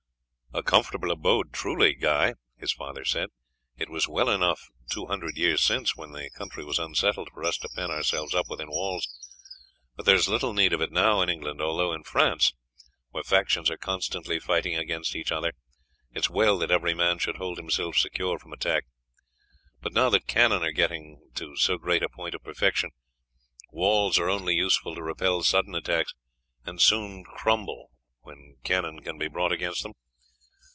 "A comfortable abode truly, Guy!" his father said. "It was well enough two hundred years since, when the country was unsettled, for us to pen ourselves up within walls, but there is little need of it now in England, although in France, where factions are constantly fighting against each other, it is well that every man should hold himself secure from attack. But now that cannon are getting to so great a point of perfection, walls are only useful to repel sudden attacks, and soon crumble when cannon can be brought against them.